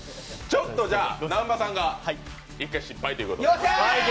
ちょっと南波さんが１回失敗ということで。